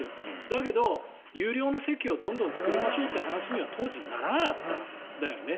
だけど、有料の席をどんどん作りましょうという話には当時、ならなかったんだよね。